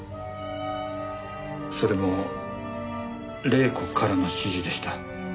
それも麗子からの指示でした。